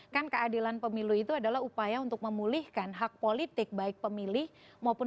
kan keadilan pemilu itu adalah upaya untuk memulihkan hak politik baik pemilih maupun